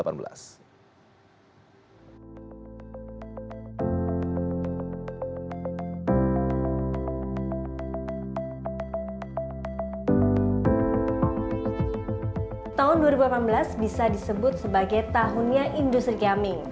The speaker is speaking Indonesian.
tahun dua ribu delapan belas bisa disebut sebagai tahunnya industri gaming